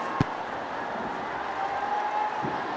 ประธานอย่างอื่นสเมติอาทิตย์